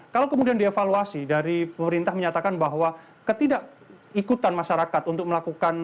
kalau kemudian dievaluasi dari pemerintah menyatakan bahwa ketidakikutan masyarakat untuk melakukan